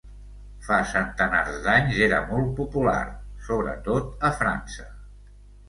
Fa centenars d'anys era molt popular, sobretot a França.